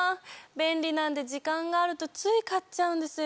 便利なんで時間があるとつい買っちゃうんですよ。